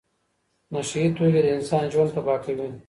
نشه یي توکي د انسان ژوند تباه کوي.